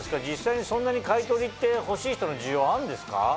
実際にそんなに買い取りってほしい人の需要あるんですか？